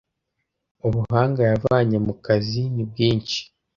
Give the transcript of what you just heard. Ubuhanga yavanye mu kazi nibwinshi.